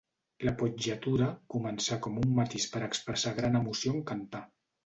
L'appoggiatura començar com un matís per expressar gran emoció en cantar.